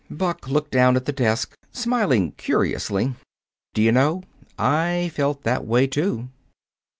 Buck looked down at the desk, smiling curiously. "D'you know, I felt that way, too."